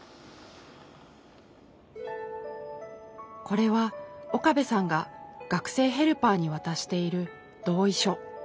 これは岡部さんが学生ヘルパーに渡している「同意書」。